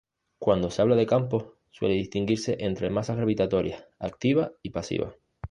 Cuando se habla de campos suele distinguirse entre masas gravitatorias activa y pasiva.